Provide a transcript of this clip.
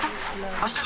あした？